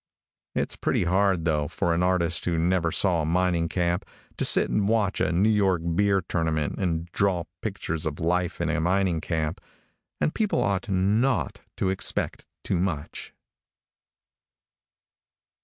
Its pretty hard, though, for an artist who never saw a mining camp, to sit and watch a New York beer tournament and draw pictures of life in a mining camp, and people ought not to expect too much.